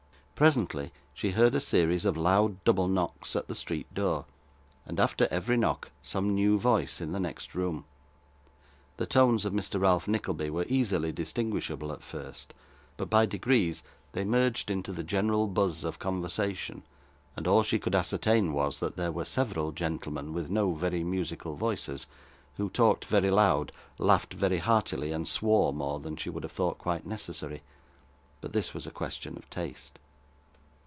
Presently, she heard a series of loud double knocks at the street door, and after every knock some new voice in the next room; the tones of Mr Ralph Nickleby were easily distinguishable at first, but by degrees they merged into the general buzz of conversation, and all she could ascertain was, that there were several gentlemen with no very musical voices, who talked very loud, laughed very heartily, and swore more than she would have thought quite necessary. But this was a question of taste.